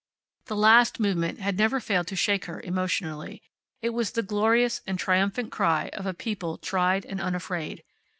The last movement had never failed to shake her emotionally. It was the glorious and triumphant cry of a people tried and unafraid.